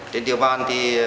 trên địa bàn thì